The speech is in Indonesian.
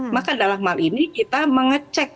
maka dalam hal ini kita mengecek